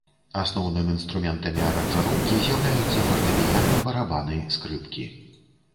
Асноўным інструментамі аранжыроўкі з'яўляюцца фартэпіяна, барабаны скрыпкі.